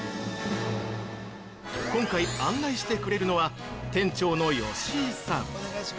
今回、案内してくれるのは店長の吉井さん。